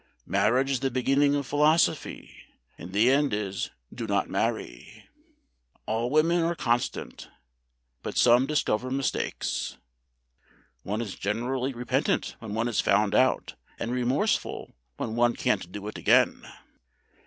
"Marriage is the beginning of philosophy, and the end is, 'Do not marry.'" "All women are constant, but some discover mistakes." "One is generally repentant when one is found out, and remorseful when one can't do it again."